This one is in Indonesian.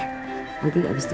abis itu gue ditukerin